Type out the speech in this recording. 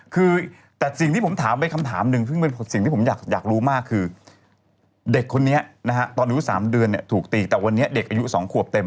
คือแต่สิ่งที่ผมถามไปคำถามนึงพิธีเด็กคนี้นะครับตอนมาทำสามเดือนนะถูกตีแต่วันนี้เด็กอายุสองคั่วเต็ม